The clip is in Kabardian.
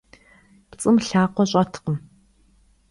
Pts'ım lhakhue ş'etkhım.